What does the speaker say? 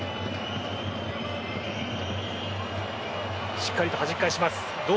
しっかりとはじき返します。